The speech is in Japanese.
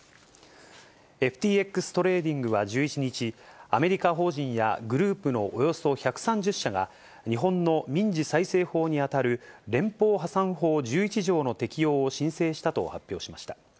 ＦＴＸトレーディングは１１日、アメリカ法人やグループのおよそ１３０社が、日本の民事再生法に当たる連邦破産法１１条の適用を申請したと発表しました。